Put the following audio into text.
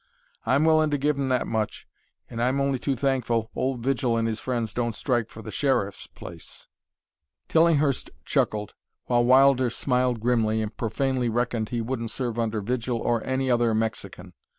I'm willin' to give 'em that much, and I'm only too thankful old Vigil and his friends don't strike for the Sheriff's place." Tillinghurst chuckled, while Wilder smiled grimly and profanely reckoned he wouldn't serve under Vigil or any other Mexican.